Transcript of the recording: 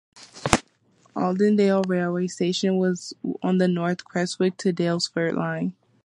Allendale Railway Station was on the North Creswick to Daylesford line.